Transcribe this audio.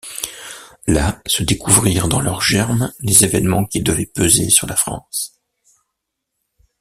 Là se découvrirent dans leur germe les événements qui devaient peser sur la France.